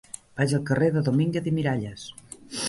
Vaig al carrer de Domínguez i Miralles.